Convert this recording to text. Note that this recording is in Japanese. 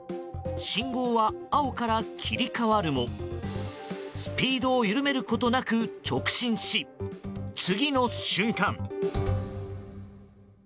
信号は青から切り替わるもスピードを緩めることなく直進し次の瞬間。